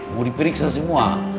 mau diperiksa semua